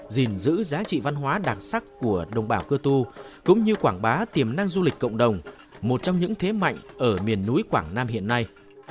dình dữ giá trị văn hóa đặc sắc của đồng bào cơ tu cũng như quảng bá tiềm năng du lịch cộng đồng một trong những thế mạnh ở miền núi quảng nam hiện nay